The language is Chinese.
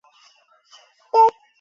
也给观众留下深刻影象。